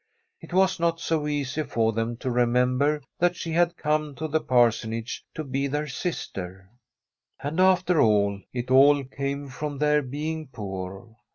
It was not so easy for them to remem ber that she had come to the Parsonage to be their sister. And, after all, it all came from their being poor.